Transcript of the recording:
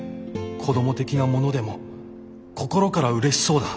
子ども的なものでも心からうれしそうだ。